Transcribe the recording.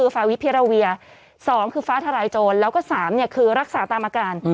๑ฟ้าวิพิระเวีย๒ฟ้าทะลายโจร๓รักษาตามอาการ